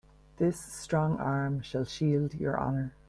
This strong arm shall shield your honor.